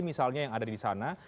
misalnya yang ada di sana